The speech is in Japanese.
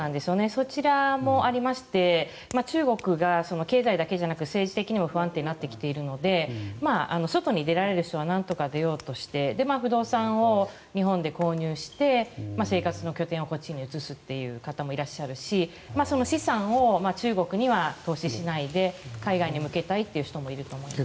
それもありまして中国が経済だけじゃなくて政治的にも不安定になってきているので外に出られる人はなんとか出ようとして不動産を日本で購入して生活の拠点をこっちに移すという方もいらっしゃるし資産を中国には投資しないで海外に向けたいという人もいると思いますね。